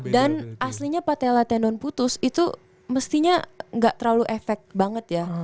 dan aslinya patella tendon putus itu mestinya gak terlalu efek banget ya